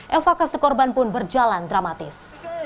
evakuasi korban pun berjalan dramatis